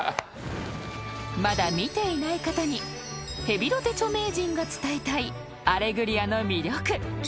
［まだ見ていない方にヘビロテ著名人が伝えたい『アレグリア』の魅力］